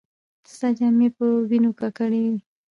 ستا جامې په وينو ککړې وې.